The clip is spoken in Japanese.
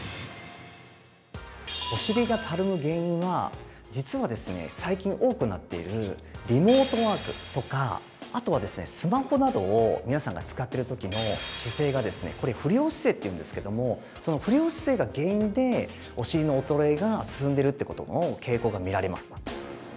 ◆お尻がたるむ原因は、実はですね、最近多くなっているリモートワークとかあとは、スマホなどを皆さんが使っているときの姿勢がこれ不良姿勢というんですけども、その不良姿勢が原因で、お尻の衰えが進んでるってことの傾向が見られます。